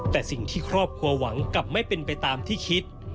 แต่สิ่งที่ครอบครัวหวังกลับไม่เป็นไปตามที่คิด